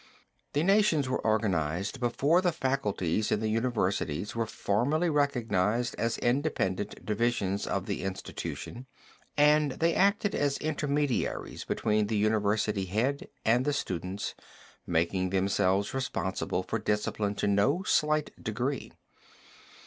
The nations were organized before the faculties in the universities were formally recognized as independent divisions of the institution, and they acted as intermediaries between the university head and the students, making themselves responsible for discipline to no slight degree.